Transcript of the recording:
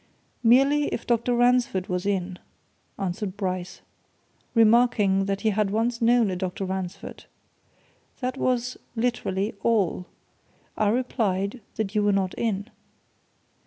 "Merely if Dr. Ransford was in," answered Bryce, "remarking that he had once known a Dr. Ransford. That was literally all. I replied that you were not in."